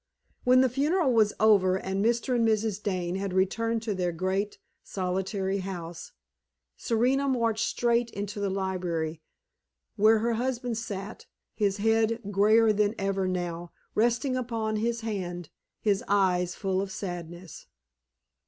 When the funeral was over and Mr. and Mrs. Dane had returned to their great, solitary house, Serena marched straight into the library, where her husband sat, his head grayer than ever now resting upon his hand, his eyes full of sadness.